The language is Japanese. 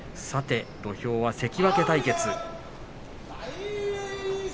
土俵は関脇対決。